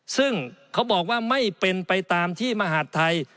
ซึ่งเขาบอกว่าไม่เป็นไปตามที่มหาดไทย